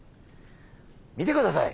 見てください！